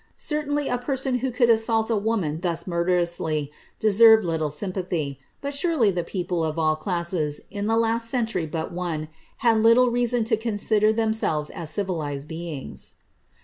Certainly, a person who could assault a woman thus murder ously, deserved little sympathy ; but surel)' the people, of all classes, in the last century but one, had little reason to consider tliemselves as civilized beings.